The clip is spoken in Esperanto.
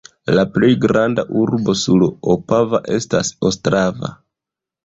La plej granda urbo sur Opava estas Ostrava.